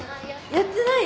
やってない。